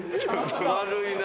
悪いなぁ。